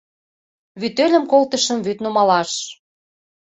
Вӱтельым колтышым вӱд нумалаш.